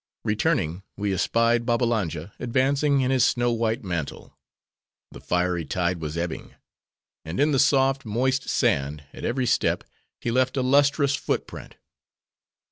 Returning, we espied Babbalanja advancing in his snow white mantle. The fiery tide was ebbing; and in the soft, moist sand, at every step, he left a lustrous foot print.